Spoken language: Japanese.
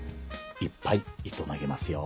いっぱい糸投げますよ。